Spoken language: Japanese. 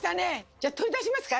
じゃあ取り出しますか？